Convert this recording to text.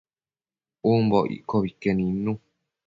umbo iccobi que nidnu